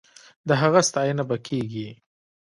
د هغه ستاينه به کېږي.